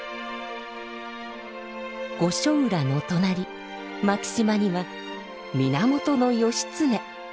御所浦の隣牧島には源義経。